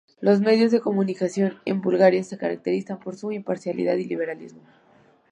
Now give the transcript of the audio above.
Los medios de comunicación en Bulgaria se caracterizan por su imparcialidad y liberalismo.